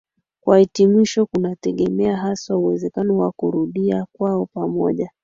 kwa hitimisho kunategemea haswa uwezekano wa kurudia kwao pamoja